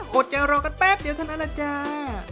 อดใจรอกันแป๊บเดียวเท่านั้นแหละจ้า